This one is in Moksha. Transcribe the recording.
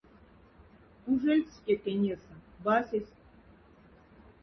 Ужяльдсть фкя-фкянь эса, басясть.